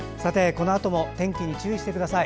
このあとも天気に注意してください。